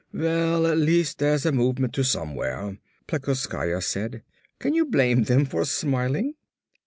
"Well at least that's a movement to somewhere," Plekoskaya said. "Can you blame them for smiling?